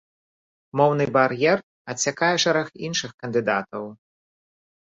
Моўны бар'ер адсякае шэраг іншых кандыдатаў.